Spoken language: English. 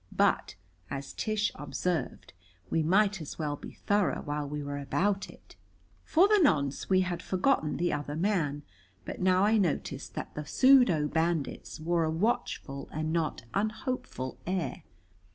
But, as Tish observed, we might as well be thorough while we were about it. For the nonce we had forgotten the other man. But now I noticed that the pseudo bandits wore a watchful and not unhopeful air.